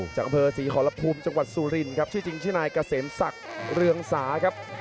จากอำเภอศรีขอรภูมิจังหวัดสุรินครับชื่อจริงชื่อนายเกษมศักดิ์เรืองสาครับ